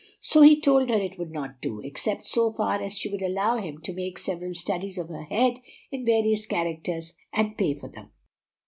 So he told her it would not do, except so far as she would allow him to make several studies of her head in various characters and pay for them.